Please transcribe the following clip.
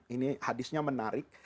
ini hadisnya menarik